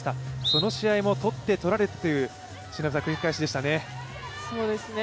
その試合も取って取られてという繰り返しでしたね。